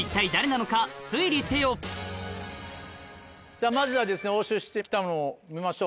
さぁまずは押収してきたものを見ましょうか。